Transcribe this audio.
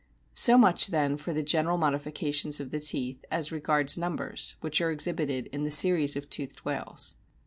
So much then for the General modifications of the O teeth, as regards numbers, which are exhibited in the series of toothed whales.